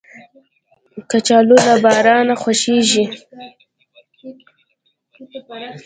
کچالو له بارانه خوښیږي